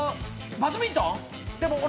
バドミントン？